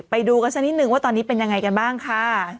ไปดูกันสักนิดนึงว่าตอนนี้เป็นยังไงกันบ้างค่ะ